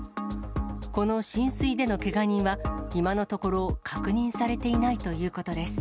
この浸水でのけが人は、今のところ確認されていないということです。